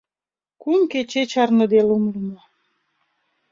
Кум кече чарныде лум лумо.